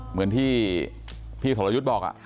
เหมือนที่พี่สรยุทธ์บอก